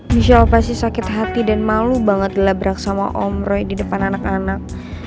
michelle pasti sakit hati dan malu banget gelabrak sama om roy di depan anak anak